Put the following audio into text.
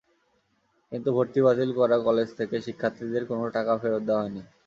কিন্তু ভর্তি বাতিল করা কলেজ থেকে শিক্ষার্থীদের কোনো টাকা ফেরত দেওয়া হয়নি।